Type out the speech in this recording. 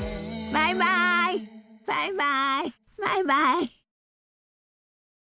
バイバイバイバイ。